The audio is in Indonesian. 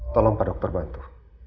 tolong pak dokter bantu